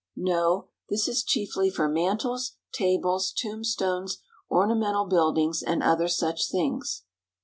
No; this is chiefly for mantels, tables, tomb stones, ornamental buildings, and other such things.